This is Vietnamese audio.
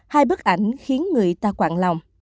hai bức ảnh khiến người ta quạng lòng